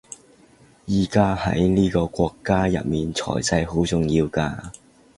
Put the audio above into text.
而家喺呢個國家入面財勢好重要㗎